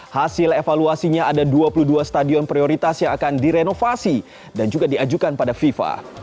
hasil evaluasinya ada dua puluh dua stadion prioritas yang akan direnovasi dan juga diajukan pada fifa